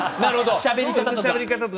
しゃべり方とか。